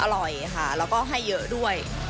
อร่อยค่ะแล้วก็ให้เยอะด้วย